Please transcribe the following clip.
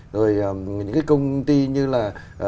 rồi những cái công ty như là